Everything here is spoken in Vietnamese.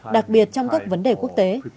đặc biệt trong các vấn đề quốc tế